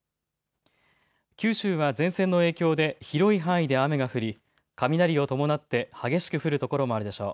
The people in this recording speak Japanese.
九州は前線の影響で広い範囲で雨が降り雷を伴って激しく降る所もあるでしょう。